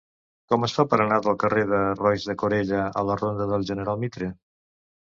Com es fa per anar del carrer de Roís de Corella a la ronda del General Mitre?